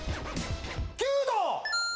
弓道。